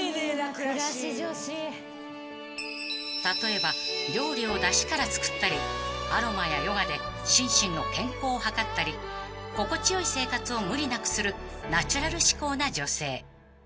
［例えば料理をだしから作ったりアロマやヨガで心身の健康をはかったり心地よい生活を無理なくするナチュラル思考な女性］